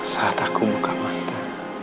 saat aku buka mata